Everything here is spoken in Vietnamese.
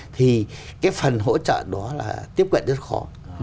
thì cái phần hỗ trợ đó là tiếp cận rất khó